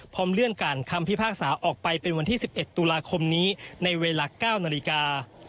เลื่อนการคำพิพากษาออกไปเป็นวันที่๑๑ตุลาคมนี้ในเวลา๙นาฬิกา